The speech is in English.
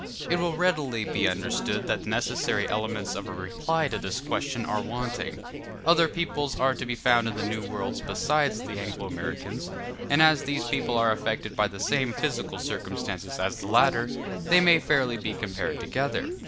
It will readily be understood that the necessary elements of a reply to this question are wanting: other peoples are to be found in the New World besides the Anglo Americans, and as these people are affected by the same physical circumstances as the latter, they may fairly be compared together.